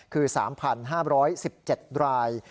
คือ๓๕๑๗ราย